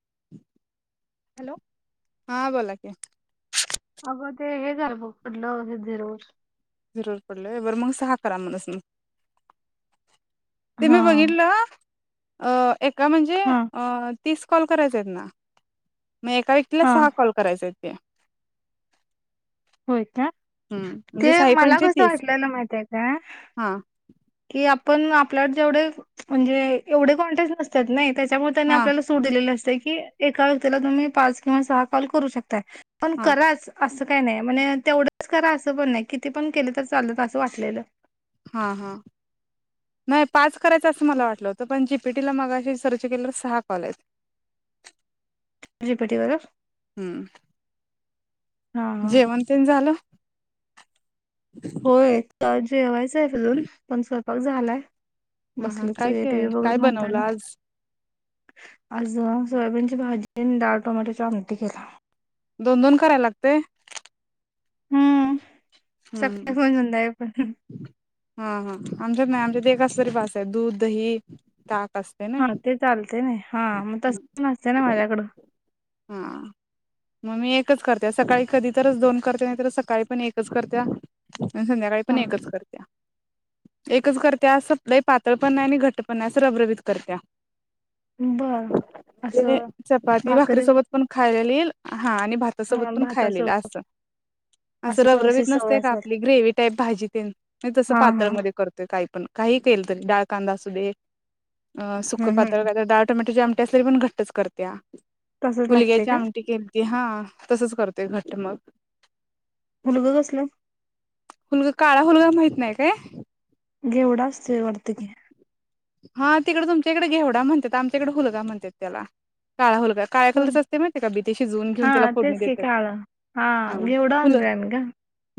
[inaudible] Hello. हां बोला की अगं ते हे झालं बघ [unintelligible] झुरळ पडलंय बरं मग सहा करा म्हणस मग ते हा मी बघितलं अ एका म्हणजे हां अ तीस कॉल करायचा आहेत ना मग एका व्यक्ला हा सहा कॉल करायचा आहेत ते होय का हम्म म्हणजे ते साई मला पंचे कसं तीस वाटलेलं माहिितय का हा कि आपण आपल्या जेवढे म्हणजे एवढे कॉन्टे नसत नाही त्याच्यामुळे त्यांनी हा आप स दि असते की एका व्यक्तीला तुम्ही पाच किंवा सहा कॉल करू शकताय पण हा कराच असं काय नाही म्हणजे तेवढंच करा असं पण नाही किती पण केले तर चालत असं वाटलेलं हा ह नाही पाच करायचं असं मला वाटलं होतं पण पीटी मग सर्च के सहा कॉलेज रिपेटी कर हम्म हा हा जेवण तेण झालं होय जेवायचं आहे अजून पण स्वयपाक झालाय हा हा बसलीच काय टी व्ही काय काय बघत बनवलं म्हणताना आज आज अ सोयाबीनची भाजी आणि डाळ टोमॅटोची आमटी केल्याव दोन दोन करा लागतंय हम्म हम्म सकाळ पण संध्याकाळ पण हा हा आमच्यात नाही आमच्यात एक आसंल तरी बासय दूध दही ताक अस हा ते चालते नाही हा मग तस पण असतंय ना माझ्याकडं हा मग मी एकच करते सकाळी कधी तरच दोन करते नाही तर सकाळी पण एक एकच करत्या आणि संध्याकाळी हा पण एकच करत्या एकच करत्या असं लई पातळ पण नाही आणि घट्ट पण नाही असं रबरबीत करत्या उम्म ब म्हणजे चपाती भाकरी सोबत पण खायला येईल हां आणि भाता सोबत हा पण खायला येईल भातासोबत असं असं अशी रबरबीत नसतय सवय का असेल आपली ग्रेव्ही टाईप भाजी तिन मी तसं हा हा पातळमध्ये कर ते काही पण काही केलं तरी डाळ कांदा असुदे अ सुकं हम्म पातळ हम्म काही तर डाळ टोमॅटोची आम त्यास तरी पण घट्टच करत्या तसंच लागते हुलग्याची का आमटी केली ते हा तसंच करतय घट्ट मग हुलगं कसलं? हुलग काळा हुलगा माहित नाही काय? घेवडा असतोय वाटतं घे हा तिकडं तुमच्या इकडं घेवडा म्हणत्यात आमच्या इकडं हुलगा म्हणत्यात त्याला काळा हुलगा काळ्या होय कलरच असतय माहिती का बी ते शिजवून घेऊन त्याला हा फोडणी तेच की देतेत काळं हा हां घेवडा फुलं आणतोय आम्ही गं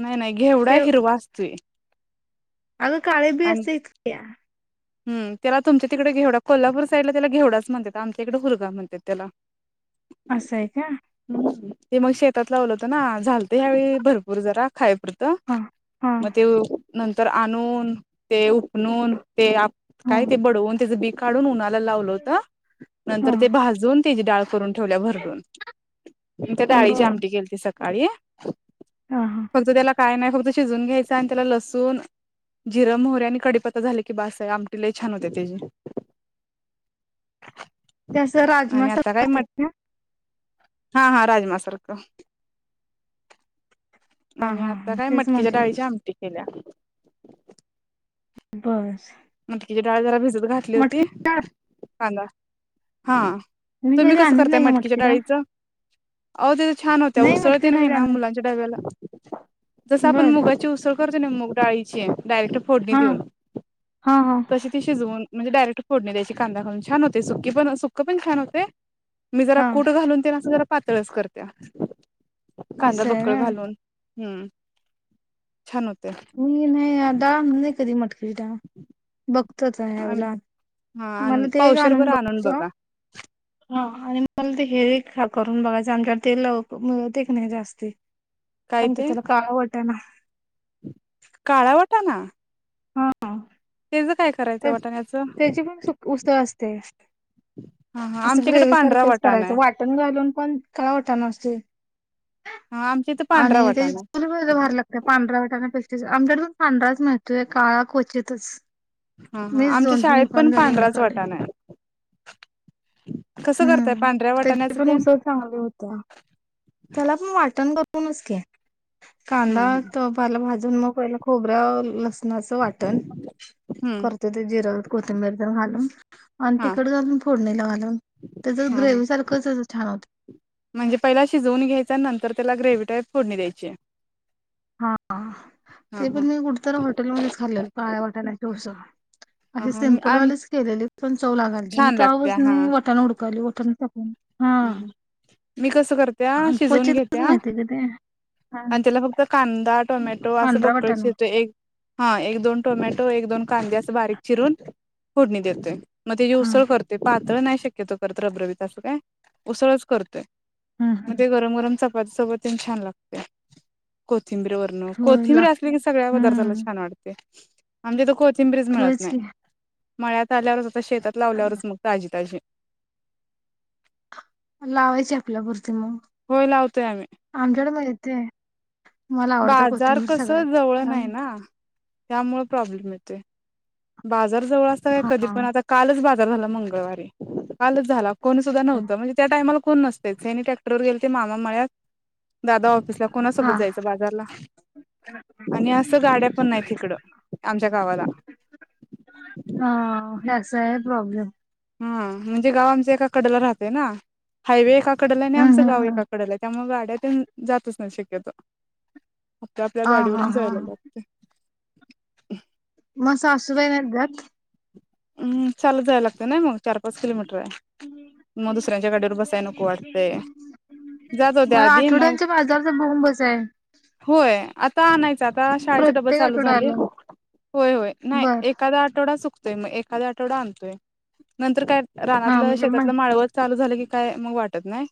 नाही नाही घेवढा हिरवा असतुय अग काळे बी असती किया हम त्याला तुमच्या तिकडं घेवडा कोल्हापूर साईडला त्याला घेवडाच म्हणत्यात आमच्या इकडं हुलगा म्हणत्यात त्याला असंय का हम्म हम्म ते मग शेतात लावलं होतं ना झालत ह्यावेळी भरपूर जरा खाय पडतं हा हा मग ते नंतर आणून ते उफनून ते आप हा काय ते बडवून त्याचं बी काढून उन्हाला लावलं होत हा नंतर ते भाजून त्याची डाळ करून ठेवल्या भरडून अन त्या डाळीची बर आमटी केलती सकाळी. हा हा फक्त त्याला काय नाही फक्त शिजून घ्यायचं आणि त्याला लसून जिरं मोहरी आणि कडीपत्ता झालं कि बासय आमटी लई छान होतिया तेजी. ते असं राजमा आणि आता काय म् ना हा हा राजमा सारख. हा आणि हा आता हा काय तेच मटकीच्या म्हंटलं डाळीच्या आमटी केल्या. बस. मटकिची डाळं जरा भिजत घातली होती मटकी डाळ कांदा हां मी तुम्ही कधी कसं आणत करताय नाही ग मटकीच्या मटकी डाळ डाळीचं? अहो त्याज छान होत्या नाही उसळ मटकी तेन डाळ हाय कधी ना आणत मुलांच्या डब्याला जसं नाही आपण बर मुगाची उसळ करते ना मुग डाळीचे डायरेक्ट फोडणी हा देऊन. हा हा तशी ती शिजवून म्हणजे डायरेक्ट फोडणी द्यायची कांदा घालून छान होतय सुकी पण सुकं पण छान होतय. मी जरा हा कूट घालून तेन असं जरा पातळच करतेया कांदा असं आहे बक्कळ व्हय घालून. हम्म छान होतय. मी नाही आता नाही कधी मटकीची डाळ बघ तच आहे येवला हा मला आणून ते एक पावशर आणून बरं बघ बघा हा आणि मला ते हे एक हा करून बघायचं आमच्याकडं ते ल मिळत एक नाही जास्ती. काय म्हणत्यात त्याला काळा वटाणा काळा वटाणा हा. तेचं काय करायचं वाटाण्याचं त्याची पण उसळ असते. हा हा असं आमच्याकडे ग्रेव पांढरा सारखंच वाटाणा करायचं आहे वाट कण घालून पण काळा वटना असतोय हा आमच्या इथं पांढरा आणि त्या वाटाणा आहे लय भारी लागतोय पांढरा वाटाण्यापेक्षा आमच्याड पण पांढराच माहतोय काळा को्चितच. हा हा आमच्या शाळेत पण पांढराच हुडकालोय वाटाण आहे. कसं करताय हम्म पांढऱ्या त्याची वटाण्याच पण उसळ चांगली होतीया. त्याला पण वाटण करूनच् की कांदा हम्म तो पाल भाजून मग खोबऱ्या लसणाचं वाटण हम्म कर ते जिर कोथिंबीर ते घालून आणि हा तिखट घालून फोडणीला घालून त्याच हा हा ग्रेव्ही सारख त्यज छान होत म्हणजे पहिला शिजवून घ्यायचा नंतर त्याला ग्रेव्ही टाईप फोडणी द्यायची. हा हा ते हा पण मी कुठतर हॉटेलमध्येच खाल्लेल कळ्या वाटाण्याची उसळं. हा अशी हा सिंपल आम वालीच केलेली पण चव लागालते म छान लागत्या तेव्हापासण हा मी वटण हुडकायलोय वटण [inaudible] मी कस करत्या आणि शिजवून क्वचितच घेत्या माहिती का ते हा आणि त्याला फक्त कांदा टोमॅटो असं पांढरा बक्कळ वाटाणा शेतोय एक हा एक दोन टोमॅटो एक दोन कांदे अस बारीक चिरून फोडणी देतोय. मग तेजी हा उसळ करतोय पातळ नाही शक्यतो करत रबरबीत असं काय उसळच करतोय. हा हा म्हणजे गरम गरम चपाती सोबत तेन छान लागतय कोथिंबीर व न होय कोथिंबीर लागते असली की सगळ्या पदार्थाला हम्म छान वाटतय. आमच्याइथ कोथिंबरीज मिळत होयच की नाही मळ्यात आल्यावरच आता शेतात लावल्यावरच मग ताजी ताजी लावायची आपल्यापूर्ती मग होय लावतोय आम्ही आमच्याकड मिळते. बाजार कस जवळ नाई आणि- ना त्यामुळ प्रॉब्लेम येतोय. बाजार जवळ असता का कधी हा पण आता कालच बाजार झाला मंगळवारी कालच झाला. कोणी सुद्धा नवत म्हणजे त्या टाइमाला कोण नसतेच ट्रॅक्टर गेले ते मामा मळ्यात दादा ऑफिसला. हा कोणासोबत जायचं बाजारला. आणि असं गाड्या पण नाही तिकडं आमच्या गावाला. हा त्यास आहे प्रॉब्लेम. हा म्हणजे गाव आमचं एका कडला राहतेय ना हायवे एका कडेला आहे आणि हम्म आमचं हम्म गाव हम्म एका कडला आहे. त्यामुळे गाड्यात जातच नाही शक्यतो आपल्या आपल्या हा हा गाडीवरून हा जायला हा लागते. म सासूबाई काय करतात. हम् चाल जायला लागतं ना मग. चार पाच किलोमीटर आहे मग दुसऱ्यांच्या गाडीयावर बसायला नको वाटतेय. म आठवड्यांच्या बाजारचा बोंबच हाय. होय आ. त नाहीच आता शाळेचे डब्ब प्रत्येक चालू झाले आठवड्याला होय होय नाही बर एखादा आठवडा चक ते मग एखाद आठवडा आणतोय नंतर काय रानात हा म्हणजे मग शेतातलं माळव. चालू झालं की काय मग वाटत नाही.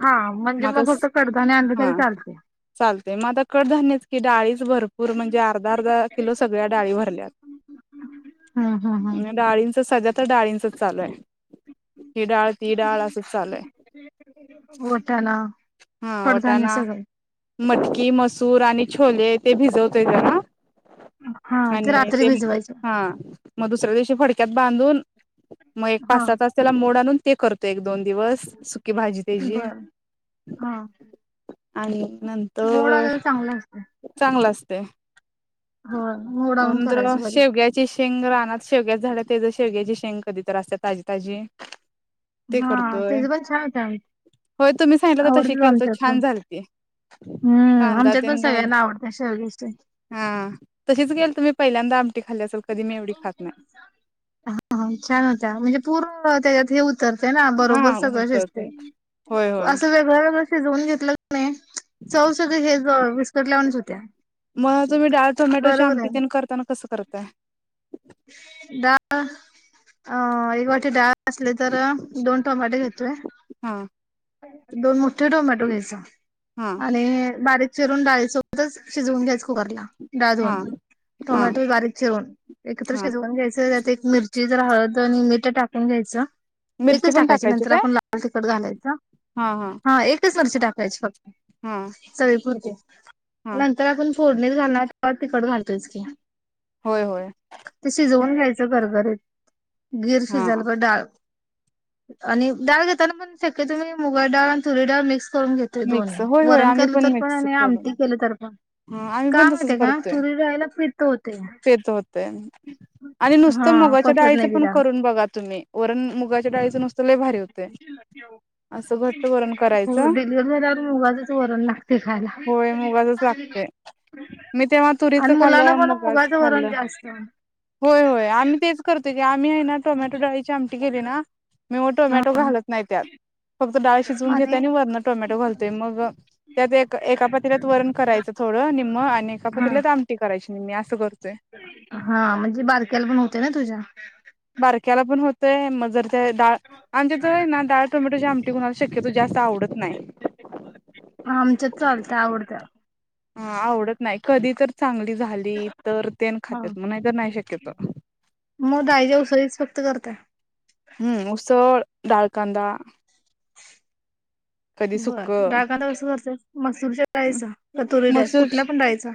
हा म्हणजे मग फक्त कडदाने आणले तरी चालतेय. चालते मग आता कडधान्य की डाळीच भरपूर म्हणजे अर्धा अर्धा किलो सगळ्या डाळी भरल्यात. हम्म हम्म डाळींच सध्या तर डाळींचच चालूय ही डाळ ती डाळ असंच चालूय हाय. वठ ना. हा वटाणा मटकी मसूर आणि छोले ते भिजवत येत घरात. हा आणि रात्री ते भिजवायचं हा. मग दुसऱ्या दिवशी फडक्यात बांधून मग एक पाच हा सहा तज त्याला मोड आणून ते करतो एक दोन दिवस. सुकी भाजी त्याची बरं हा. आणि नंत मोड आलेलं चांगलं असत. चांगलं असतेय. हो मोडा आणून करायचं बर. ज शेंग रानात शेवग्यात झाल्या ते ज शेवग्याची शेंग कधीतर असते ताजी ताजी. ते हा करतोय त्याच पण छान होत होय तुम्ही सांगितलं. ते आवडत केलतं आमच्यात छान पण झाल हम्म कांदा आमच्यात पण घा सगळ्यांना आवडत शेवग्याची हा तशीच गेल तुम्ही पहिल्यांदा आमटी खाल्ली असल कधी मी एवढी खात नाही. हो छान होत्या म्हणजे पूर्ण त्याच्यात हे. तर ते ना हा बरोबर सगळं होत शिजते होय होय असं वेगळं वेगळं शिजवून घेतलं नाही. चौव सुधा हे विस्कटल्या वाणी होत्या होत्या. मग तुम्ही डाळ टोमॅटोच्या आमटीतेन करताना कसं करताय. डाळ. अ एक वाटी डाळ असले तर दोन टोमॅटे घेतोय. हा दोन मोठे टोमॅटो घ्यायचा हा आणि बारीक. चिरून डाळीसोबतच शिजवून घ्यायस कुकरला डाळ हा धवून हा टोमॅटो बारीक चिरून. एकत्र हा शिजवून घ्यायचं त्यात एक मिरची हळद आणि मीठ टाकून घ्यायचं. मिरची एकच पण टाकायची नंतर काय आपण लाल तिखट घालायचं हा एकच मिरची टाकायची फक्त. हा. चवी पुुरते हा नंतर आपण फोडणीत घालणार तिकड घालतोयच की. होय होय. ते शिजवून घ्यायचं घरगरीत गीर हा शिजायला पाहि डाळ. आणि डाळ घेताना पण शक्य तुम्ही मुगळ डाळ आणि तुरी डाळ मिक्स करून घेत. ते दोन मिक्स होय होय वरण आम्ही केलं तर पण मिक्स आणि करून आमटी केली तर पण. हा आम्ही काय पण तसच का करतोय माहितीये का पीत होतेया. तेन आणि नुसतं मुगाच्या पचत डाळीच नाही ती पण डाळ. करून बघा तुम्ही. वरण मुगाच्या डाळीचं नुसतंही भारी होतं खुश लगते [unintelligible] हो करायचं डिलिव्हर झाल्यावर मुगाचेच वरण लागते खायला. ते मी तेव्हा तुरीच आणि मुलांना खाल्लं, पण मुगाच मुगाचं वरण खाल्लं. जास्त. होय होय आम्ही तेच, करतो की आम्ही आहे ना टोमॅटो डाळीची आमटी गेली ना मी मग हा टोमॅटो घालत नाही त्यात फक्त डाळ शिजून घेतेतोय आणि वरं टोमॅटो घल ते मग त्यात एका एका पात्रीलात वरण करायचं. थोडं निम्म आणि एका हा पातेल्यात आमटी करायची निम्मी असं करतोय. हा म्हणजे बारक्याला पण होते ना तुझ्या. बारक्याला पण होतय मग जर त्या डाळ. आमच्याथ नाडाळ टोमॅटोच्या आमटी कोणाला शक्यतो जास्त आवडत नाही. आमच्यात चालत्या आवडत्या. हा आवडत नाही कधी तर चांगली झाली तर ते हा खातेत म नाही तरर नाही शक्यत मग डाळीच्या उसळीच फक्त करताय. हम्म, उसळ डाळकदा. बर सुक डाळ कांदा [unintelligible] मूरच्या खायचं तुर मसूर कुठल्या पण डाळीचं.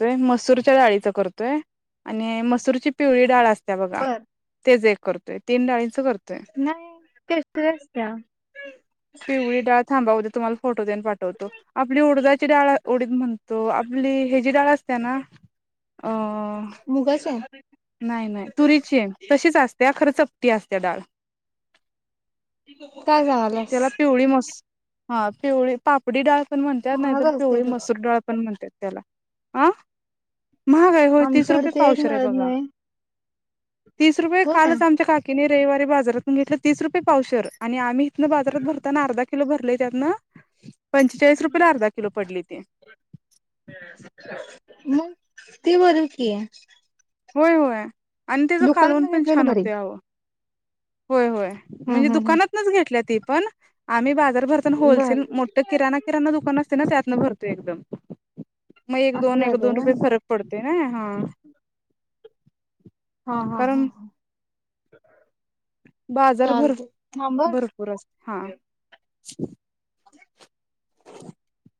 तोय मसूरच्या डाळीच करतोय. आणि मसूरची पिवळी डाळ असत बघा. बर तेच एक करतोय तीन डळीं करतोय. नाही टेस्टी असत्या. [unintelligible] थांबा तुम्हाला फोटो मेन पाठवतो. आपली उडदाची डाळ ओडीद म्हणतो आपली ह जी डाळ असते ना? अ... मुगाच. नाही नाही तुरीची आहे तशीच असते्या खरं चपटी असते्या डाळ. काय सांगाल्यास? त्याला पिवळी मस्त हा पिवळी. पापडी डाळ पण म्हणतात, महाग नाहीतर पिवळी असत्यात मसूर डाळ पण म्हणतात त्याला ह महागाय होय तीस आमच्याकडे रुपये ते एक पावशर आहे मिळत बघा. नाही. तीस रुपये होय. कालच आमच्या काकीने रविवारी बाजारातून घेतलं तीस रुपये पावशर आणि आम्ही बाजारात भरताना अर्धा किलो भरले त्यातनं पंचेचाळीस रुपयेला अर्धा किलो पडल ते, मग ते बर कि, होय होय आणि त्याचं कालवण दुकानातन पण घेतलेली छान बरी. होते आवं. होय होय हम्म म्हणजे हम्म दुकानातनच घेतल्या ती पण आम्ही बाजार भरताना हम्म. होलसेल बर मो तर किराणा किराणा दुकान असते ना त्यातनं भरतो एकदम, मग एक असं दोन एक झालंय दोन रुपये व्हय. फरक पडते ना हा. हा हा हा कारण हा. बाजार भर थांबा भरपूर अस, हा. [unintelligible] [inaudible]